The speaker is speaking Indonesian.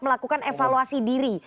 melakukan evaluasi diri